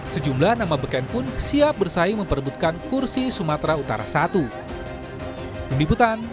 sejumlah nama beken pun siap bersaing memperebutkan kursi sumatera utara i